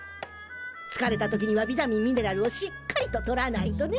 つかれた時にはビタミンミネラルをしっかりととらないとね！